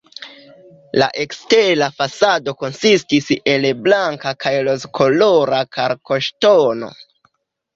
La ekstera fasado konsistis el blanka kaj rozkolora kalkoŝtono.